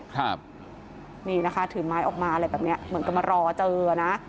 ครับนี่นะคะถือไม้ออกมาอะไรแบบเนี้ยเหมือนกับมารอเจอนะ